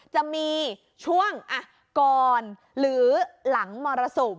จะมีช่วงก่อนหรือหลังมรสุม